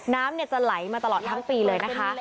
น้ำจะไหลมาตลอดทั้งปีเลยนะคะ